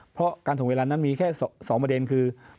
เพราะการถ่วงเวลานั้นมีแค่๒ประเด็นคือ